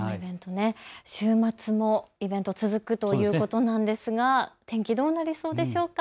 週末もイベント続くということなんですが天気どうなりそうですか。